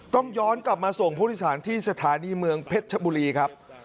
ต้องย้อนกลับมาส่งผู้โดยสารที่สถานีเมืองเพชรชบุรีครับ